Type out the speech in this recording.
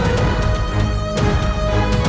harusnya aku lindungi bel libraries